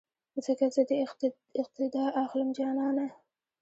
ځکه زه دې اقتیدا اخلم جانانه